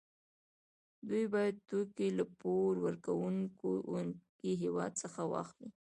دوی باید توکي له پور ورکوونکي هېواد څخه واخلي